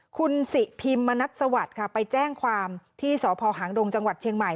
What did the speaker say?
คุณสิพิมมณัฐสวัสดิ์ค่ะไปแจ้งความที่สพหางดงจังหวัดเชียงใหม่